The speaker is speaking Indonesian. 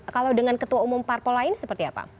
kalau dengan ketua umum parpol lain seperti apa